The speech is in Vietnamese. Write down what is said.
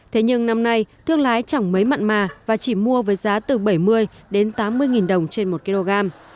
thế nhưng năm nay thương lái chẳng mấy mặn mà và chỉ mua với giá từ bảy mươi đến tám mươi đồng trên một kg